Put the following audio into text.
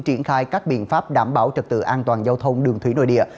triển khai các biện pháp đảm bảo trật tự an toàn giao thông đường thủy nội địa